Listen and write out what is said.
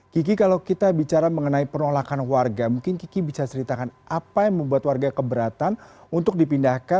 kiki kalau kita bicara mengenai penolakan warga mungkin kiki bisa ceritakan apa yang membuat warga keberatan untuk dipindahkan